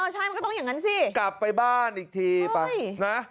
ใช่มันก็ต้องอย่างนั้นสิกลับไปบ้านอีกทีไปนะ